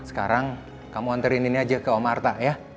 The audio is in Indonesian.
sekarang kamu anterin ini aja ke omarta ya